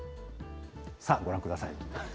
さあ、ご覧ください。